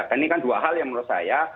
dan ini kan dua hal yang menurut saya